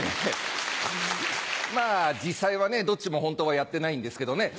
まぁ実際はどっちもホントはやってないんですけどね。